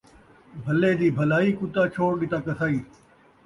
بھلے دی بھلائی کتا چھوڑ ݙتا قصائی